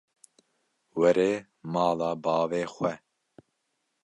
Were mala bavê xwe.